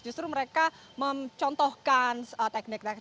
justru mereka mencontohkan teknik teknik